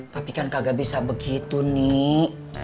tapi kan kagak bisa begitu nik